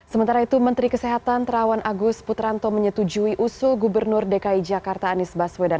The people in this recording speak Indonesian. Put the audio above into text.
sementara itu menteri kesehatan terawan agus putranto menyetujui usul gubernur dki jakarta anies baswedan